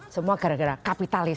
semua gara gara kapitalism